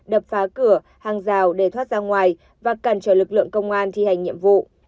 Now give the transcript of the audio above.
đập phá cửa hàng rào để thoát ra ngoài và cản trở lực lượng công an thi hành nhiệm vụ